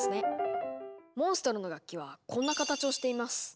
モンストロの楽器はこんな形をしています。